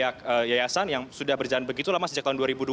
pihak yayasan yang sudah berjalan begitu lama sejak tahun dua ribu dua